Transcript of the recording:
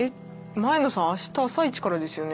前野さんあした朝イチからですよね？